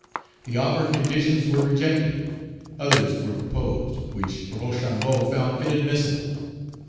The offered conditions were rejected. Others were proposed, which Rochambeau found inadmissible.